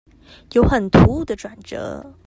有很突兀的轉折